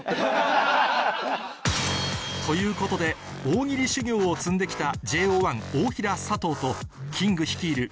ということで大喜利修業を積んで来たＪＯ１・大平佐藤とキング率いる